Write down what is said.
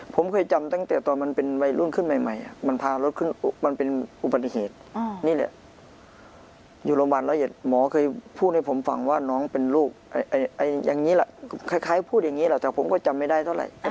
ผมเคยจำตั้งแต่ตอนมันเป็นวัยรุ่นขึ้นใหม่มันพารถขึ้นมันเป็นอุบัติเหตุนี่แหละอยู่โรงพยาบาลร้อยเอ็ดหมอเคยพูดให้ผมฟังว่าน้องเป็นลูกอย่างนี้แหละคล้ายพูดอย่างนี้แหละแต่ผมก็จำไม่ได้เท่าไหร่